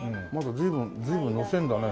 随分のせるんだね。